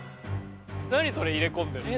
何それ入れ込んでんの。